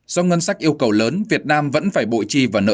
sau ngân sách yêu cầu lớn việt nam vẫn phải bội trì vào nợ cơ